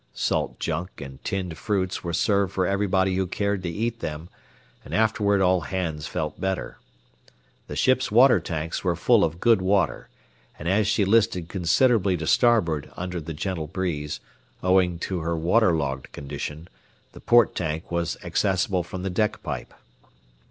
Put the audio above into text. Salt junk and tinned fruits were served for everybody who cared to eat them, and afterward all hands felt better. The ship's water tanks were full of good water, and as she listed considerably to starboard under the gentle breeze, owing to her water logged condition, the port tank was accessible from the deck pipe.